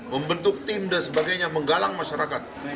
membentuk tim dan sebagainya menggalang masyarakat